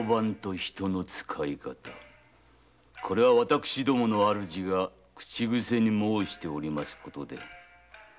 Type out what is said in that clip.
これは私どもの主が口癖に申しておりますことです。